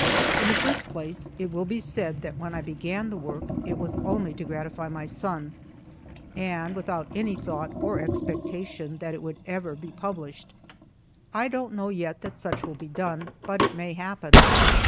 In the first place it will be said that when I began the work it was only to gratify my son, and without any thought or expectation that it would ever be published. I don't know yet that such will be done, but it may happen.